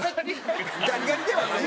ガリガリではない。